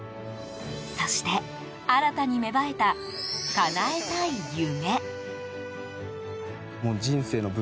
そして、新たに芽生えたかなえたい夢。